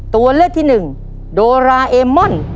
ตัวเลือดที่๑โดเรมมอน